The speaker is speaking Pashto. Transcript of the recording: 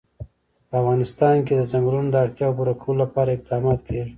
په افغانستان کې د ځنګلونه د اړتیاوو پوره کولو لپاره اقدامات کېږي.